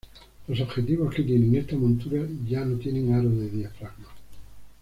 Los objetivos que tienen esta montura ya no tienen aro de diafragma.